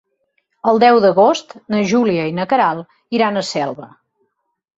El deu d'agost na Júlia i na Queralt iran a Selva.